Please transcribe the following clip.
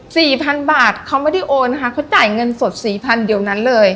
สี่พันบาทเขาไม่ได้โอนนะคะเขาจ่ายเงินสดสี่พันเดี๋ยวนั้นเลย